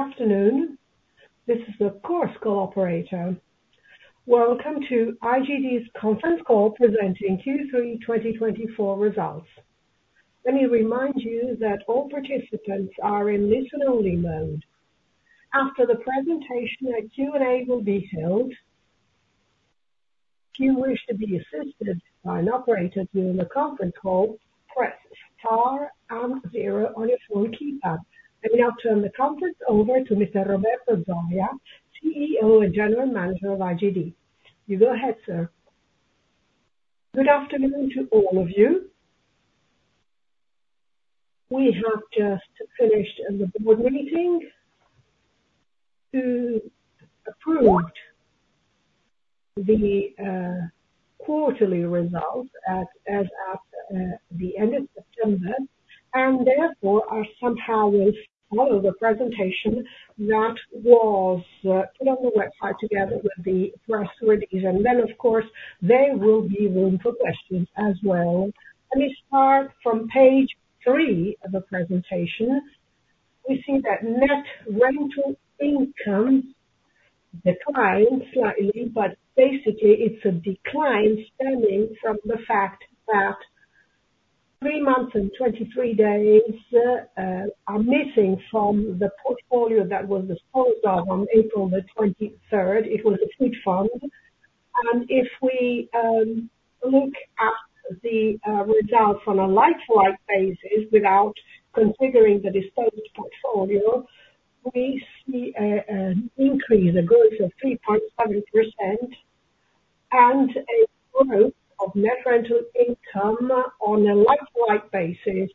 Good afternoon. This is the conference operator. Welcome to IGD's Conference Call presenting Q3 2024 results. Let me remind you that all participants are in listen-only mode. After the presentation, a Q&A will be held. If you wish to be assisted by an operator during the conference call, press star and zero on your phone keypad. I'm now turning the conference over to Mr. Roberto Zoia, CEO and General Manager of IGD. You go ahead, sir. Good afternoon to all of you. We have just finished the board meeting which approved the quarterly results as at the end of September, and therefore we somehow will follow the presentation that was put on the website together with the press release. And then, of course, there will be room for questions as well. Let me start from page three of the presentation. We see that net rental income declined slightly, but basically it's a decline stemming from the fact that three months and 23 days are missing from the portfolio that was disposed of on April the 23rd. It was a huge fund. And if we look at the results on a like-for-like basis without considering the disposed portfolio, we see an increase of 3.7% and a growth of net rental income on a like-for-like basis,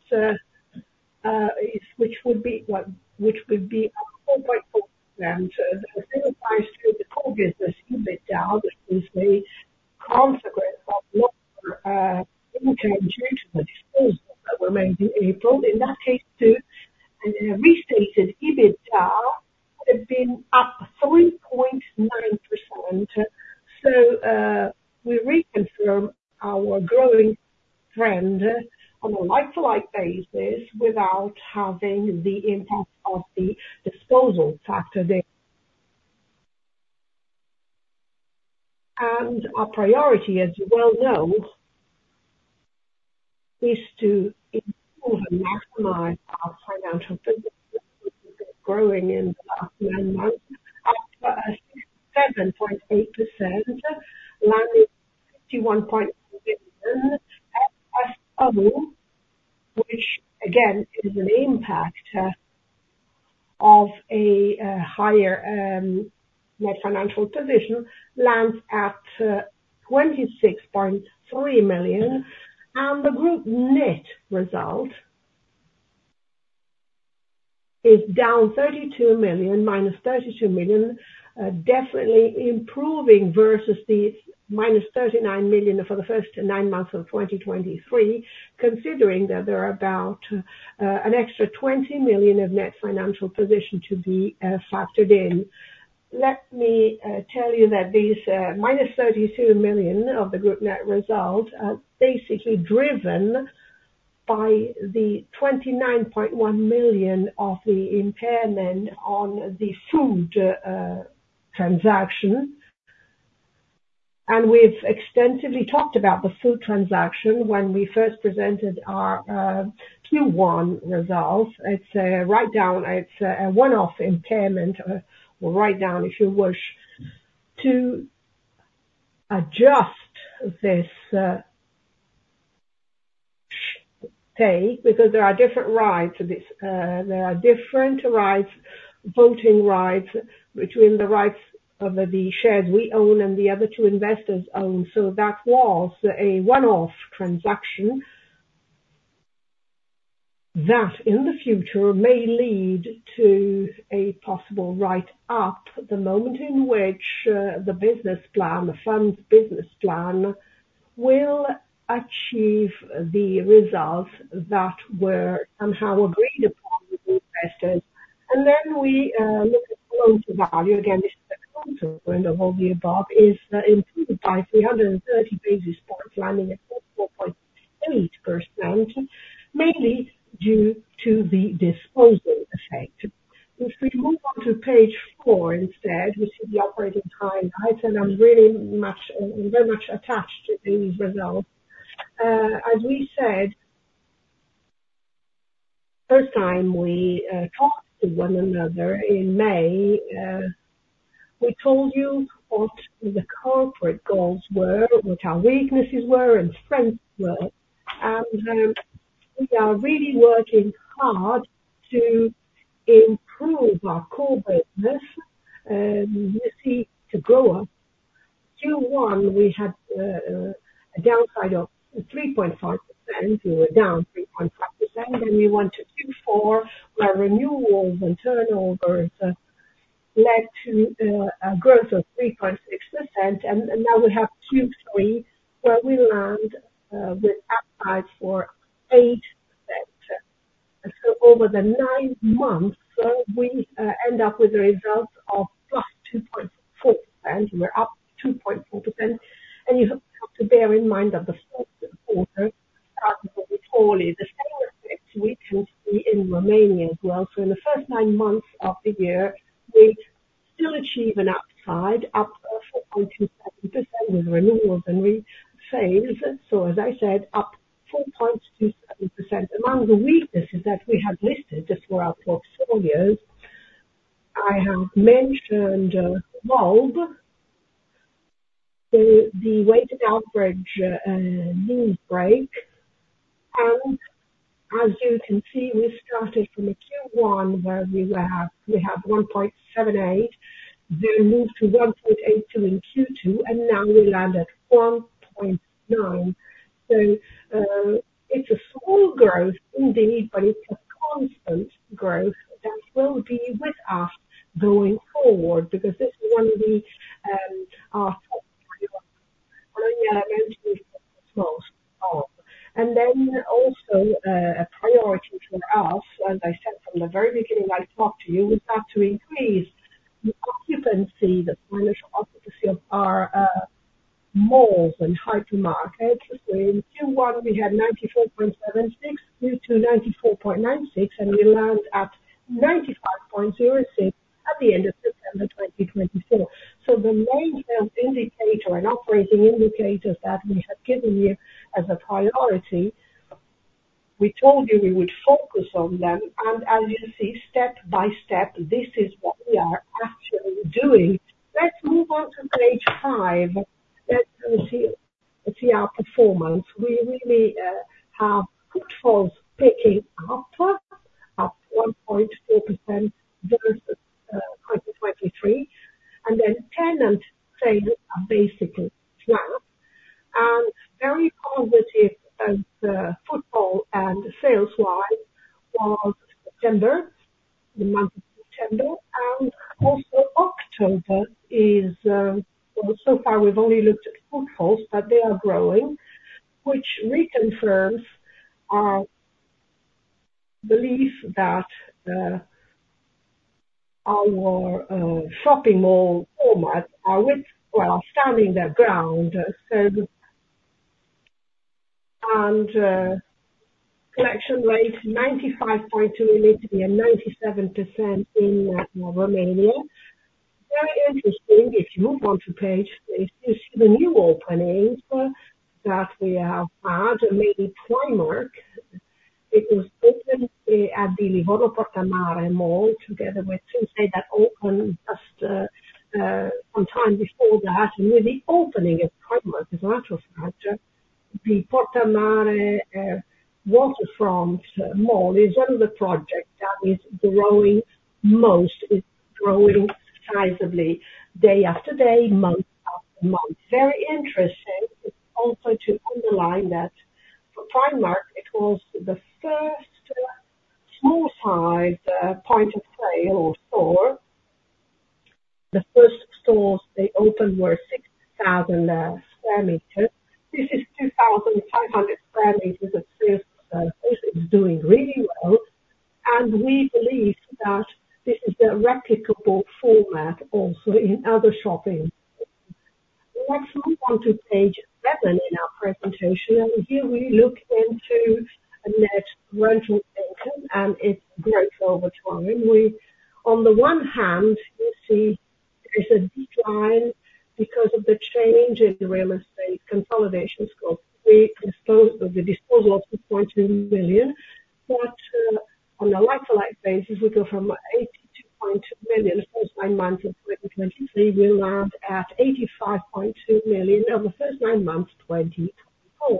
which would be 4.4%. It simplifies through the Core Business EBITDA, which is the consequence of lower income due to the disposal that were made in April. In that case, too, a restated EBITDA had been up 3.9%. FFO we reconfirm our growing trend on a like-for-like basis without having the impact of the disposal factor there. Our priority, as you well know, is to improve and maximize our financial position growing in the last nine months up to 7.8%, landing EUR 51.4 million at FFO, which again is an impact of a higher net financial position, lands at 26.3 million. The group net result is down 32 million, -32 million, definitely improving versus the minus 39 million for the first nine months of 2023, considering that there are about an extra 20 million of net financial position to be factored in. Let me tell you that these -32 million of the group net result are basically driven by the 29.1 million of the impairment on the Food transaction. We've extensively talked about the Food transaction when we first presented our Q1 results. It's a write-down, it's a one-off impairment, or write-down if you wish, to adjust this stake because there are different rights. There are different rights, voting rights between the rights of the shares we own and the other two investors own. So that was a one-off transaction that in the future may lead to a possible write-up the moment in which the business plan, the fund's business plan, will achieve the results that were somehow agreed upon with the investors. And then we look at the loan-to-value. Again, this is a consequence of all the above, is improved by 330 basis points, landing at 4.8%, mainly due to the disposal effect. If we move on to page four instead, we see the operating highlights, and I'm very much attached to these results. As we said the first time we talked to one another in May, we told you what the corporate goals were, what our weaknesses were, and strengths were, and we are really working hard to improve our core business and see to grow up. Q1, we had a downside of 3.5%. We were down 3.5%, then we went to Q4, where renewals and turnover led to a growth of 3.6%, and now we have Q3, where we land with upside for 8%, so over the nine months, we end up with a result of plus 2.4%. We're up 2.4%, and you have to bear in mind that the fourth quarter started a bit poorly. The same effects we can see in Romania as well, so in the first nine months of the year, we still achieve an upside, up 4.27% with renewals and refills, so as I said, up 4.27%. Among the weaknesses that we have listed for our portfolios, I have mentioned WALB, the weighted average lease break. And as you can see, we started from a Q1 where we have 1.78, then moved to 1.82 in Q2, and now we land at 1.9. So it's a small growth indeed, but it's a constant growth that will be with us going forward because this is one of our portfolios that we are most of. And then also a priority for us, as I said from the very beginning I talked to you, is not to increase the occupancy, the financial occupancy of our malls and hypermarkets. So in Q1, we had 94.76%, Q2, 94.96%, and we land at 95.06% at the end of September 2024. So the main sales indicator and operating indicators that we have given you as a priority, we told you we would focus on them. And as you see, step by step, this is what we are actually doing. Let's move on to page five. Let's see our performance. We really have footfall picking up, up 1.4% vs 2023. And then tenant sales are basically flat. And very positive footfall and sales-wise was September, the month of September. And also October is, well, so far we've only looked at footfall, but they are growing, which reconfirms our belief that our shopping mall formats are standing their ground. And collection rate 95.2%, it needs to be at 97% in Romania. Very interesting, if you move on to page, you see the new openings that we have had, mainly Primark. It was opened at the Livorno Porta a Mare waterfront mall together with Sinsay that opened just some time before that. With the opening of Primark as an actual structure, the Porta a Mare Waterfront mall is one of the projects that is growing most, is growing sizably day after day, month after month. Very interesting. It's also to underline that for Primark, it was the first small-sized point of sale or store. The first stores they opened were 6,000 square meters. This is 2,500 square meters at first. It's doing really well. And we believe that this is a replicable format also in other shopping malls. Let's move on to page seven in our presentation. And here we look into net rental income and its growth over time. On the one hand, you see there's a decline because of the change in the real estate consolidation scope. We disposed of the disposal of 2.2 million, but on a like-for-like basis, we go from 82.2 million the first nine months of 2023. We land at 85.2 million on the first nine months of 2024.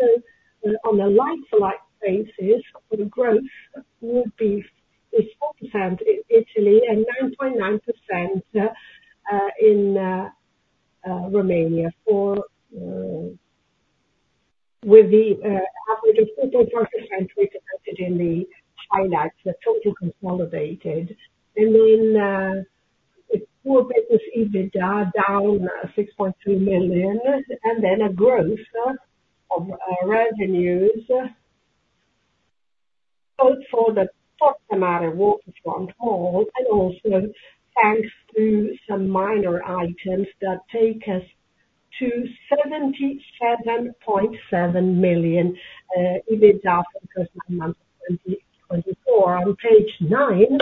So on a like-for-like basis, the growth would be 4% in Italy and 9.9% in Romania with the average of 4.5% represented in the highlights, the total consolidated. And then the core business EBITDA down 6.2 million, and then a growth of revenues both for the Porta a Mare Waterfront Mall and also thanks to some minor items that take us to 77.7 million EBITDA for the first nine months of 2024. On page nine,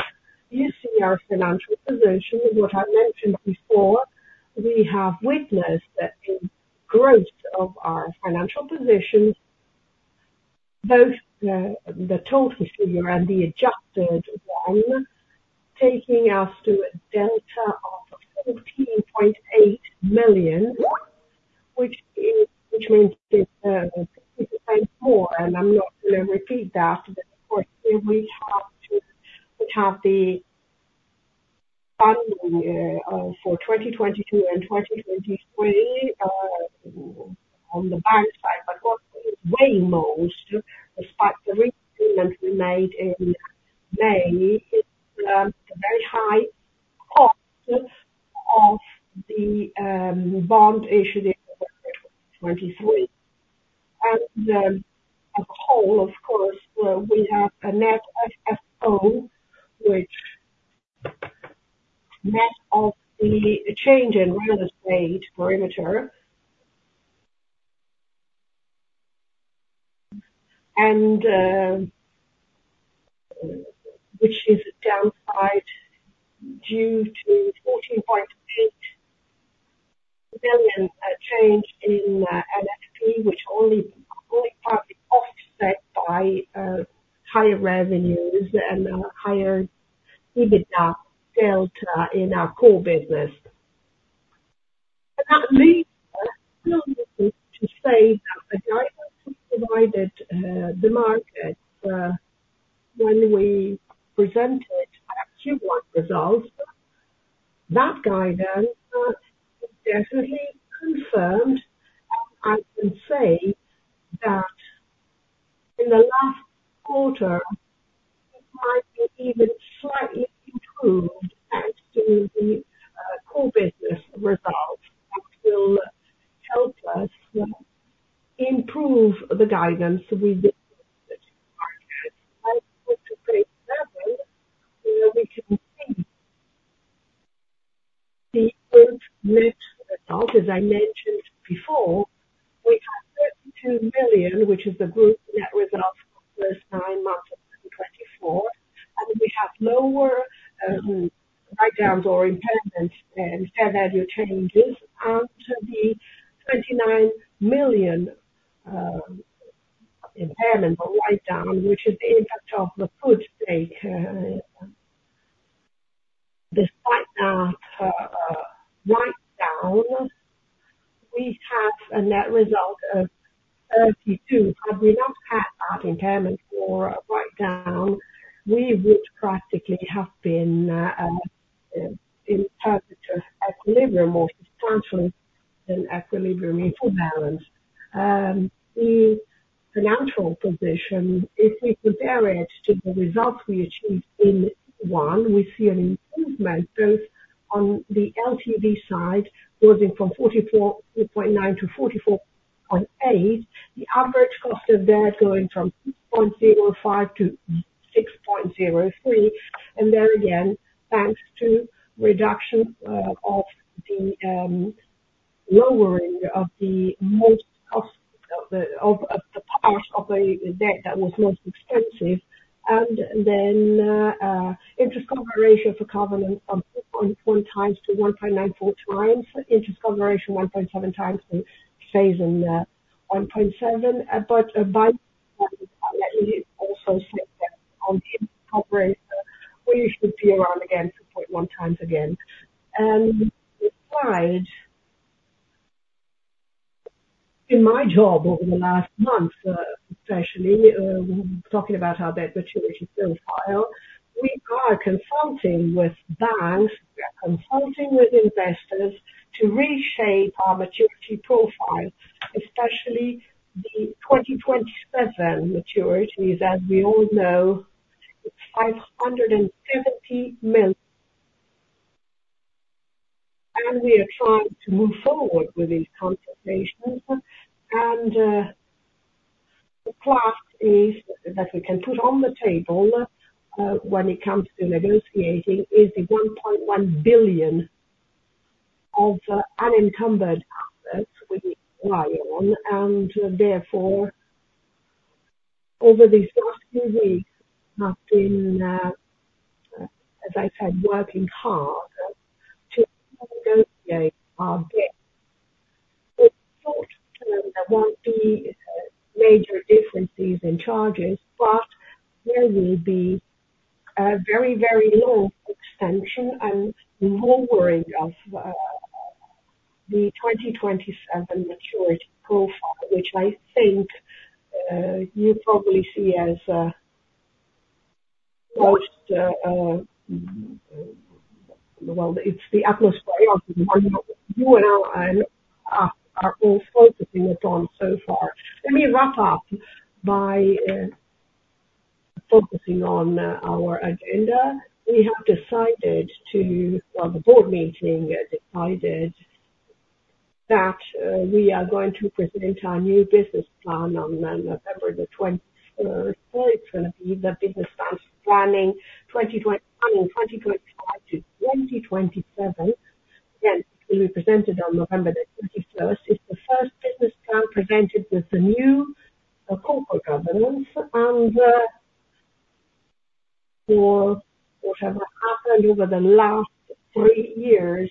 you see our financial position. What I mentioned before, we have witnessed a growth of our financial position, both the total figure and the adjusted one, taking us to a delta of 14.8 million, which means it's 50% more. And I'm not going to repeat that. Of course, here we have the funding for 2022 and 2023 on the bank side, but what we weigh most, despite the re-agreement we made in May, is the very high cost of the bond issued in November 2023. And also, of course, we have a net FFO, which, net of the change in real estate perimeter, which is downside due to 14.8 million change in NFP, which is only partly offset by higher revenues and higher EBITDA delta in our core business. And that leads us to say that the guidance we provided the market when we presented our Q1 results, that guidance is definitely confirmed. I can say that in the last quarter, it might be even slightly improved thanks to the core business results that will help us improve the guidance we've been giving to the market. And I'd like to say to that, where we can see the group net results. As I mentioned before, we have 32 million, which is the group net results for the first nine months of 2024. And we have lower write-downs or impairments and fair value changes and the EUR 29 million impairment or write-down, which is the impact of the Food stake. Despite that write-down, we have a net result of 32 million. Had we not had that impairment or write-down, we would practically have been in perpetual equilibrium or substantially in equilibrium, equal balance. The financial position, if we compare it to the results we achieved in Q1, we see an improvement both on the LTV side, going from 44.9-44.8, the average cost of that going from 2.05-6.03. And there again, thanks to reduction of the lowering of the most cost of the part of the debt that was most expensive. And then Interest Cover Ratio for Covenant from 2.1 times-1.94 times, Interest Cover Ratio 1.7 times to phase in 1.7. But by the way, let me also say that on the Interest Cover Ratio, we should be around again 2.1 times again. And besides, in my job over the last month, especially, we're talking about how that maturity profile, we are consulting with banks, we are consulting with investors to reshape our maturity profile, especially the 2027 maturities, as we all know, it's 570 million. And we are trying to move forward with these consultations. And the class that we can put on the table when it comes to negotiating is the 1.1 billion of unencumbered assets we rely on. Therefore, over these last few weeks, we have been, as I said, working hard to negotiate our debt. Short term, there won't be major differences in charges, but there will be a very, very long extension and lowering of the 2027 maturity profile, which I think you probably see as most, well, it's the atmosphere of the one that you and I are all focusing upon so far. Let me wrap up by focusing on our agenda. We have decided to, well, the board meeting decided that we are going to present our new business plan on November the 21st. It's going to be the business plan 2025-2027. Again, it will be presented on November the 21st. It's the first business plan presented with the new corporate governance. For whatever happened over the last three years,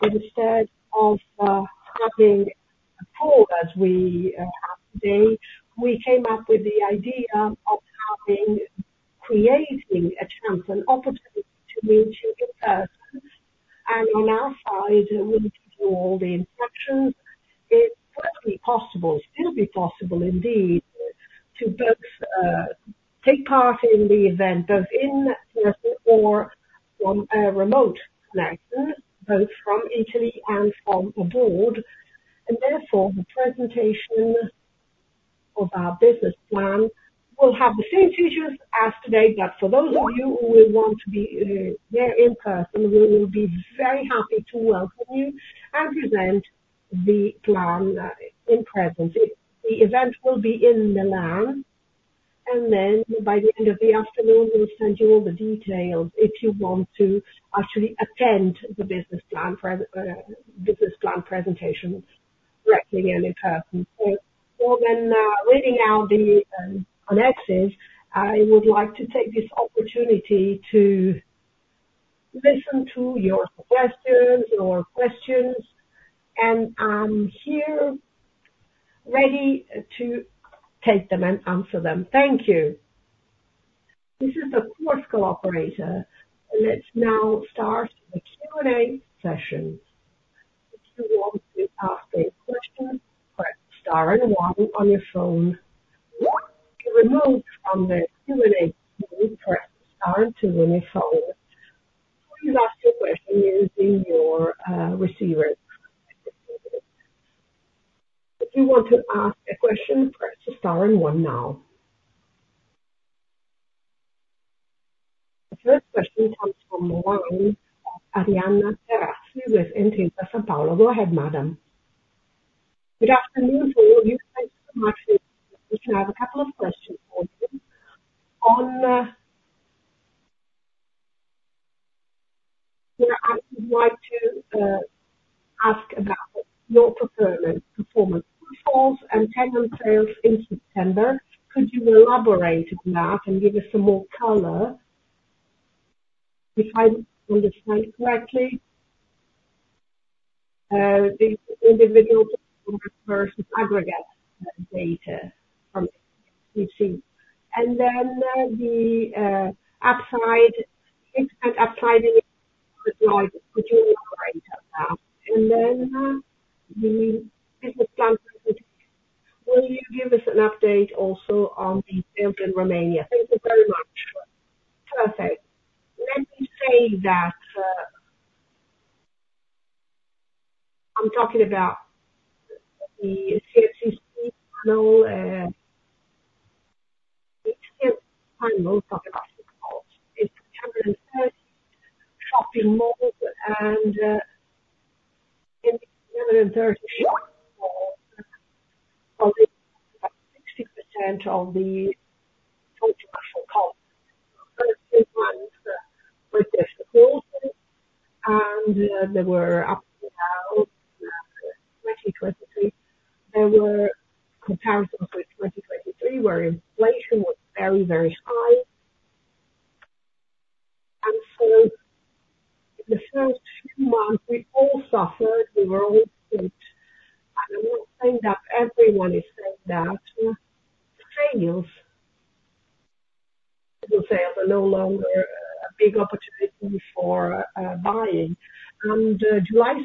instead of having a call as we have today, we came up with the idea of creating a chance, an opportunity to meet you in person. On our side, we need to do all the instructions. It would be possible, still be possible indeed, to both take part in the event, both in person or from a remote connection, both from Italy and from abroad. Therefore, the presentation of our business plan will have the same features as today, but for those of you who will want to be there in person, we will be very happy to welcome you and present the plan in presence. The event will be in Milan. Then by the end of the afternoon, we'll send you all the details if you want to actually attend the business plan presentations directly and in person. So while I'm reading out the annexes, I would like to take this opportunity to listen to your suggestions or questions and I'm here ready to take them and answer them. Thank you. This is the conference operator. Let's now start the Q&A session. If you want to ask a question, press star and one on your phone. To be removed from the Q&A team, press star and two on your phone. Please ask your question using your receiver. If you want to ask a question, press star and one now. The first question comes from Arianna Terazzi with Intesa Sanpaolo. Go ahead, Madam. Good afternoon to all of you. Thank you so much. We can have a couple of questions for you. On where I would like to ask about your performance profiles and tenant sales in September, could you elaborate on that and give us some more color if I understand correctly? The individual performance versus aggregate data from you see. And then the upside, the upside in the like-for-like, could you elaborate on that? And then the business plan presentation. Will you give us an update also on the sales in Romania? Thank you very much. Perfect. Let me say that I'm talking about the CNCC panel. The CNCC panel talked about the malls. It's 230 shopping malls and in the 230 shopping malls, probably 60% of the total national costs were difficult. And there were ups and downs. In 2023, there were comparisons with 2023 where inflation was very, very high.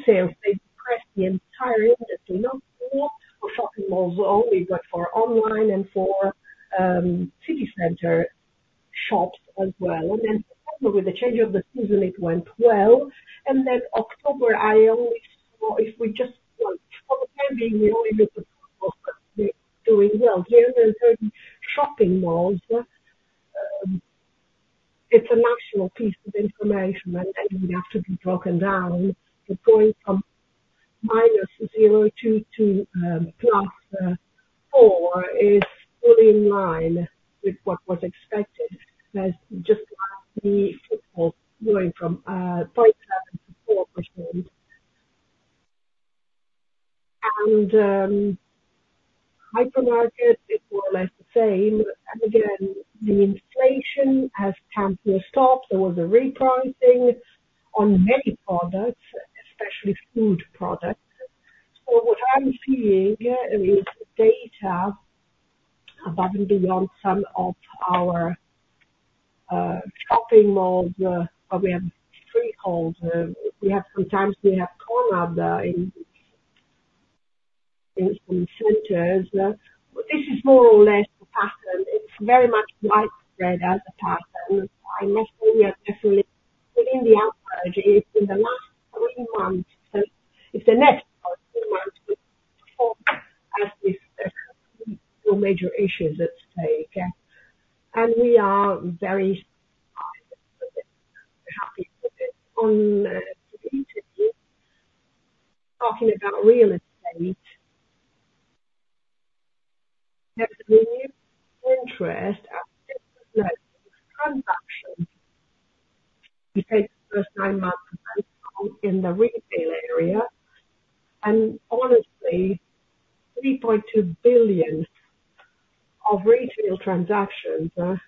And so in the first few months, we all suffered. We were all sick. And I'm not saying that everyone is saying that. Sales and sales are no longer a big opportunity for buying. And July sales, they depressed the entire industry, not for shopping malls only, but for online and for city center shops as well. And then September, with the change of the season, it went well. And then October, I only saw, if we just for the time being, we only looked at doing well. 330 shopping malls. It's a national piece of information, and then we have to be broken down. But going from minus zero to plus four is fully in line with what was expected, just like the footfall, going from 0.7%-4%. And hypermarket, it's more or less the same. And again, the inflation has come to a stop. There was a repricing on many products, especially food products. So what I'm seeing is data above and beyond some of our shopping malls, but we have three calls. We sometimes have corners in some centers. This is more or less the pattern. It's very much widespread as a pattern. I must say we are definitely within the average. It's in the last three months, it's the next three months, we perform as if there are no major issues at stake. And we are very happy with it. On the interview, talking about real estate, there's a renewed interest in transactions between the first nine months in the retail area. And honestly, 3.2 billion of retail transactions are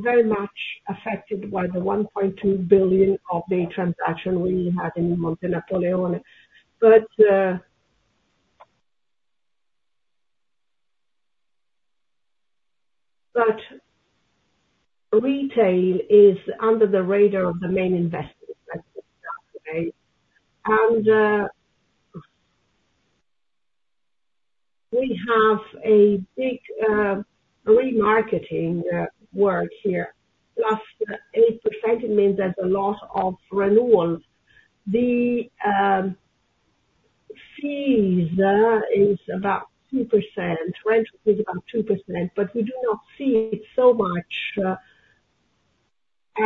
very much affected by the 1.2 billion of the transaction we had in Montenapoleone. But retail is under the radar of the main investors that we have today. We have a big remarketing work here. Plus 8%, it means there's a lot of renewals. The fees is about 2%. Rental fees are about 2%, but we do not see it so much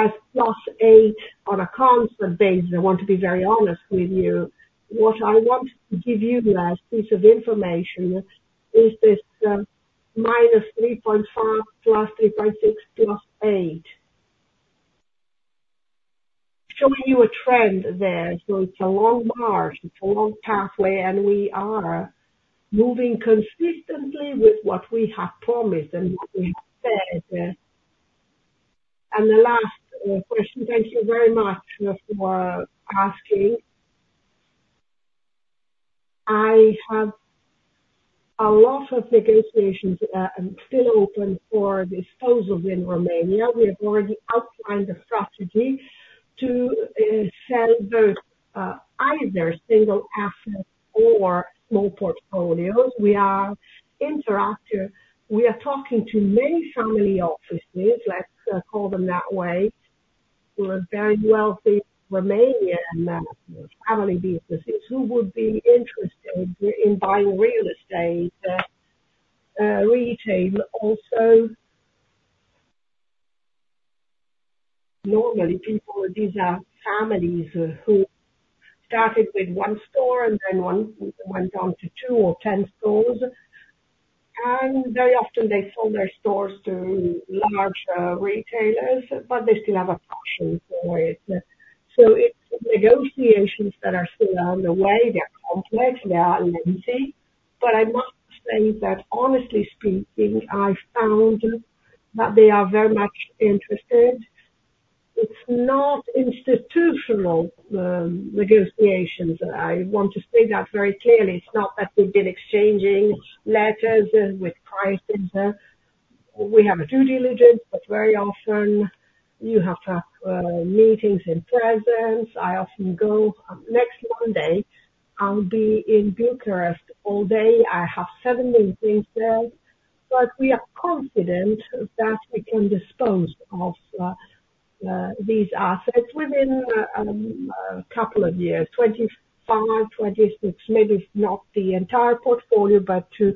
as +8% on a constant basis. I want to be very honest with you. What I want to give you as piece of information is this minus 3.5%+3.6%+8%, showing you a trend there. It's a long march. It's a long pathway. We are moving consistently with what we have promised and what we have said. The last question, thank you very much for asking. I have a lot of negotiations still open for disposals in Romania. We have already outlined a strategy to sell both either single assets or small portfolios. We are interactive. We are talking to many family offices, let's call them that way, who are very wealthy Romanian family businesses who would be interested in buying real estate, retail also. Normally, these are families who started with one store and then went on to two or ten stores. And very often, they sold their stores to large retailers, but they still have a passion for it. So it's negotiations that are still on the way. They're complex. They are lengthy. But I must say that, honestly speaking, I found that they are very much interested. It's not institutional negotiations. I want to state that very clearly. It's not that we've been exchanging letters with prices. We have a due diligence, but very often, you have to have meetings in presence. I often go. Next Monday, I'll be in Bucharest all day. I have seven meetings there. But we are confident that we can dispose of these assets within a couple of years, 2025, 2026, maybe not the entire portfolio, but to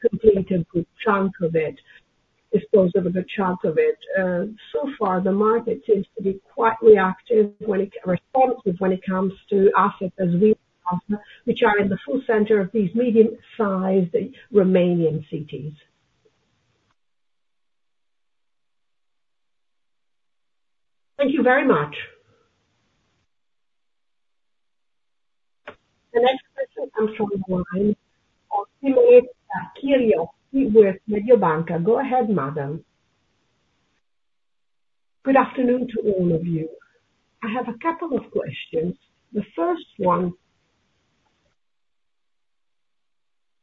complete a good chunk of it, dispose of a good chunk of it. So far, the market seems to be quite reactive when it responds when it comes to assets as wealth, which are in the full center of these medium-sized Romanian cities. Thank you very much. The next question comes from the line of Emily Kyriacou with Mediobanca. Go ahead, Madam. Good afternoon to all of you. I have a couple of questions. The first one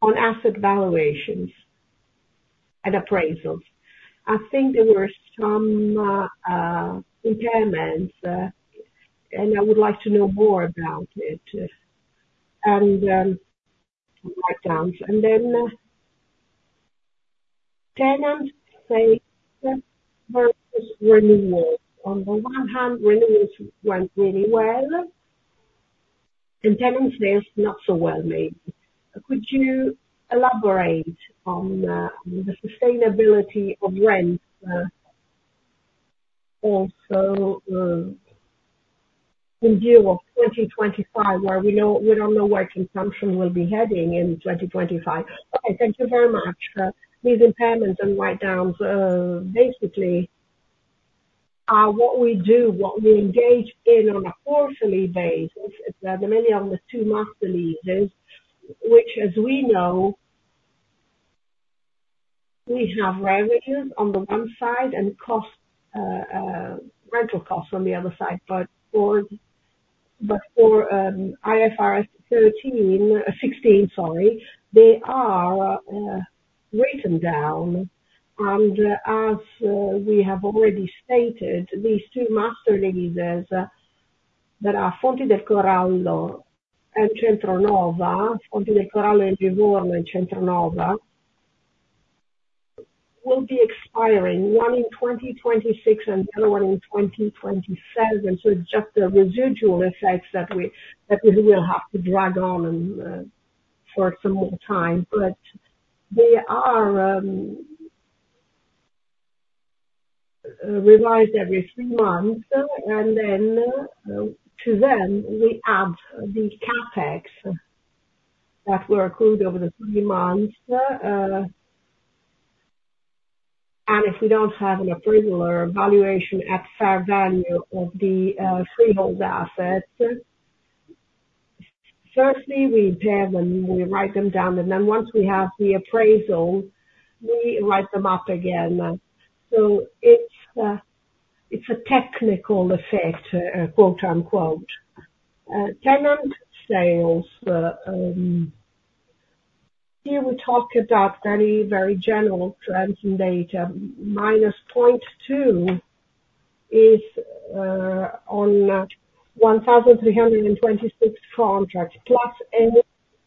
on asset valuations and appraisals. I think there were some impairments, and I would like to know more about it and write down. And then tenant sales versus renewals. On the one hand, renewals went really well, and tenant sales not so well, maybe. Could you elaborate on the sustainability of rents also in view of 2025, where we don't know where consumption will be heading in 2025? Okay, thank you very much. These impairments and write-downs basically are what we do, what we engage in on a quarterly basis. There are many of the two master leases, which, as we know, we have revenues on the one side and rental costs on the other side, but for IFRS 16, sorry, they are written down, and as we have already stated, these two master leases that are Fonti del Corallo and Centro Nova, Fonti del Corallo in Livorno and Centro Nova, will be expiring, one in 2026 and the other one in 2027, so it's just the residual effects that we will have to drag on for some more time, but they are revised every three months. And then to them, we add the CapEx that were accrued over the three months. And if we don't have an appraisal or valuation at fair value of the freehold assets, firstly, we impair them, we write them down. And then once we have the appraisal, we write them up again. So it's a technical effect, quote unquote. Tenant sales, here we talk about very, very general trends in data. -0.2% is on 1,326 contracts. +8%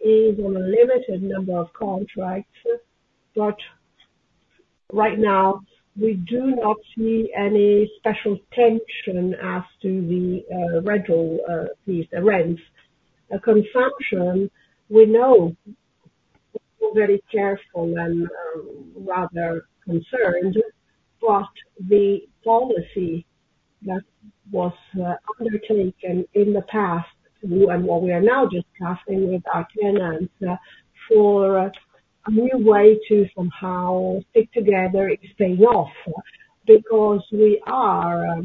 is on a limited number of contracts. But right now, we do not see any special tension as to the rental fees, the rents. Consumption, we know we're very careful and rather concerned. But the policy that was undertaken in the past and what we are now discussing with our tenants for a new way to somehow stick together is paying off because we are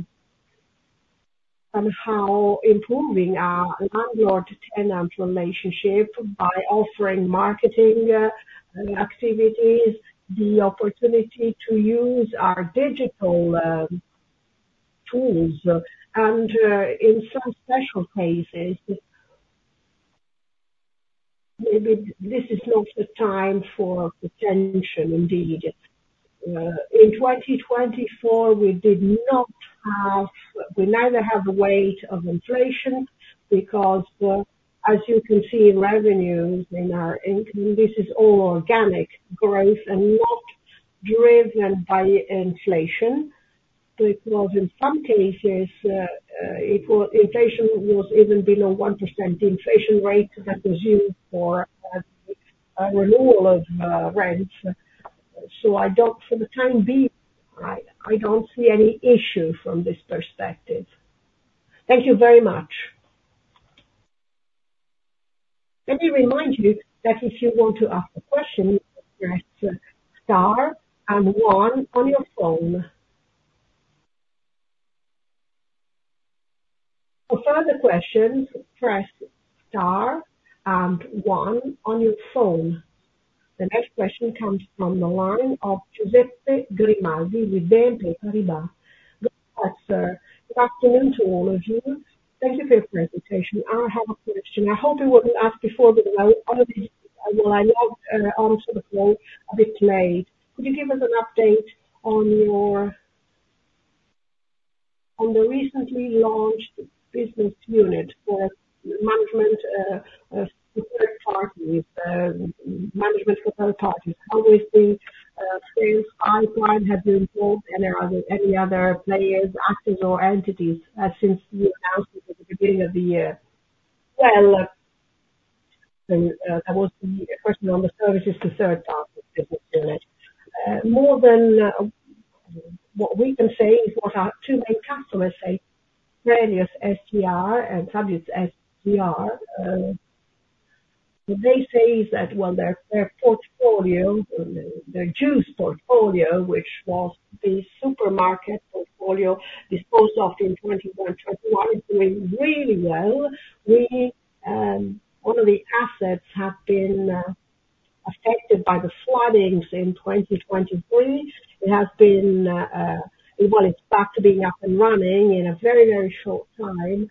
somehow improving our landlord-tenant relationship by offering marketing activities, the opportunity to use our digital tools, and in some special cases, maybe this is not the time for tension, indeed. In 2024, we did not have, neither have a weight of inflation because, as you can see in revenues, in our income, this is all organic growth and not driven by inflation. Because in some cases, inflation was even below 1%. The inflation rate that was used for renewal of rents, so for the time being, I don't see any issue from this perspective. Thank you very much. Let me remind you that if you want to ask a question, press star and one on your phone. For further questions, press star and one on your phone. The next question comes from the line of Giuseppe Grimaldi with Equita SIM. Good afternoon to all of you. Thank you for your presentation. I have a question. I hope you wouldn't ask before, but I will not answer the call a bit late. Could you give us an update on the recently launched business unit for management, third parties, management for third parties? How is the sales pipeline? Have you involved any other players, actors, or entities since the announcement at the beginning of the year? Well, there was the question on the services to third parties, business unit. More than what we can say is what our two main customers say, Prelios SGR and Fabrica SGR. What they say is that, well, their portfolio, their lease portfolio, which was the supermarket portfolio, disposed of in 2021, is doing really well. One of the assets has been affected by the floodings in 2023. It has been able to be up and running in a very, very short time,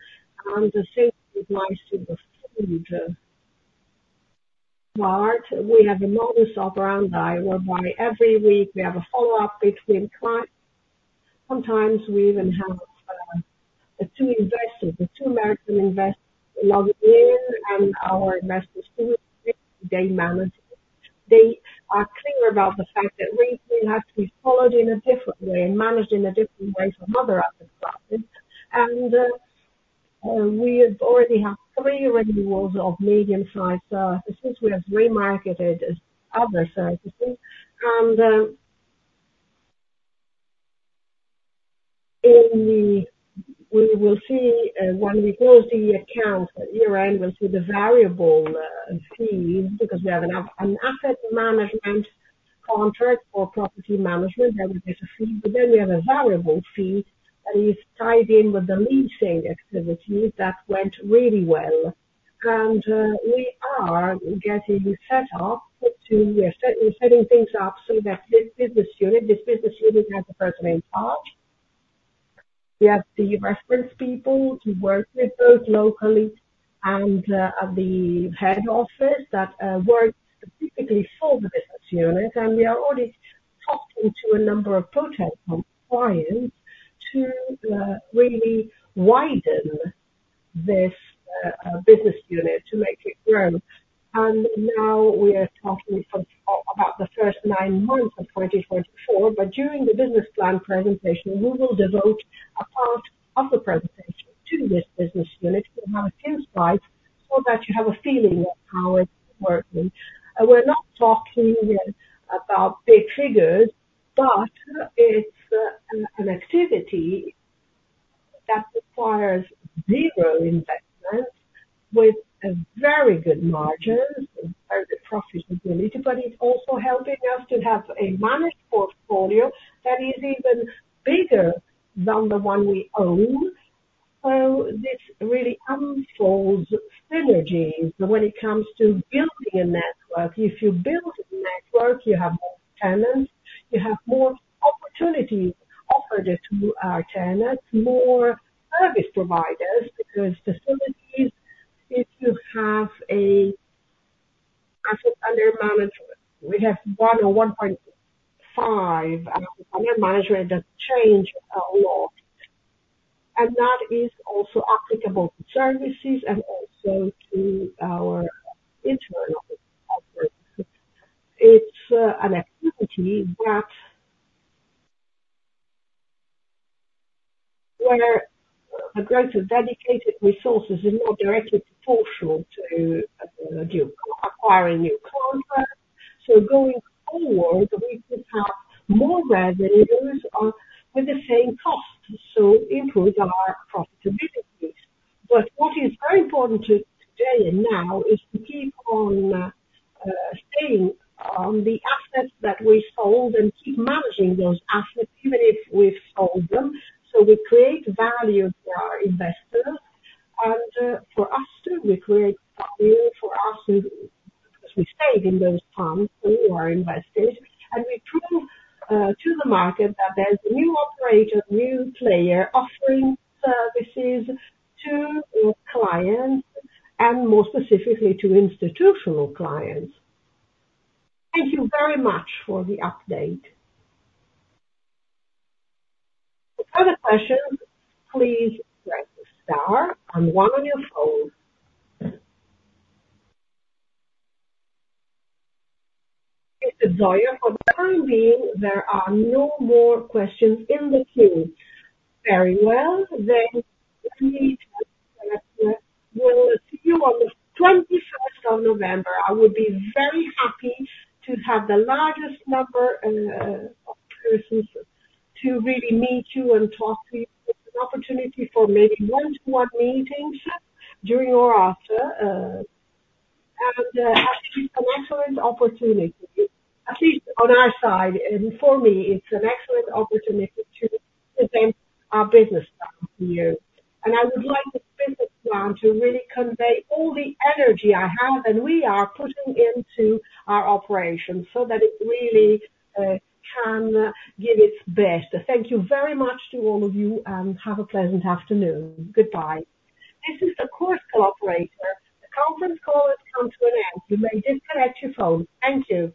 and the same applies to the food part. We have a modus operandi, whereby every week we have a follow-up between clients. Sometimes we even have the two investors, the two American investors, log in and our investors do it. They manage it. They are clear about the fact that we have to be followed in a different way and managed in a different way from other asset classes, and we already have three renewals of medium-sized services. We have remarketed other services. And we will see when we close the account year-end; we'll see the variable fees because we have an asset management contract for property management. There will be a fee. But then we have a variable fee that is tied in with the leasing activities that went really well. And we're setting things up so that this business unit has a first-name part. We have the reference people to work with both locally and the head office that work specifically for the business unit. And we are already talking to a number of potential clients to really widen this business unit to make it grow. And now we are talking about the first nine months of 2024. But during the business plan presentation, we will devote a part of the presentation to this business unit. We'll have a few slides so that you have a feeling of how it's working. We're not talking about big figures, but it's an activity that requires zero investment with very good margins, very good profitability. But it's also helping us to have a managed portfolio that is even bigger than the one we own. So this really unfolds synergies when it comes to building a network. If you build a network, you have more tenants, you have more opportunities offered to our tenants, more service providers because facilities, if you have an asset under management, we have one or 1.5 asset under management that change a lot. And that is also applicable to services and also to our internal operations. It's an activity where the growth of dedicated resources is not directly proportional to acquiring new contracts. So going forward, we could have more revenues with the same costs to improve our profitability. But what is very important today and now is to keep on staying on the assets that we sold and keep managing those assets even if we've sold them. So we create value for our investors. And for us too, we create value for us as we stayed in those funds who are investors. And we prove to the market that there's a new operator, new player offering services to clients and more specifically to institutional clients. Thank you very much for the update. Further questions, please press star and one on your phone. Mr. Zoia, for the time being, there are no more questions in the queue. Very well. Then we will see you on the 21st of November. I would be very happy to have the largest number of persons to really meet you and talk to you. It's an opportunity for maybe one-to-one meetings during or after. I think it's an excellent opportunity, at least on our side. For me, it's an excellent opportunity to present our business plan to you. I would like this business plan to really convey all the energy I have and we are putting into our operations so that it really can give its best. Thank you very much to all of you, and have a pleasant afternoon. Goodbye. This is the conference operator. The conference call has come to an end. You may disconnect your phone. Thank you.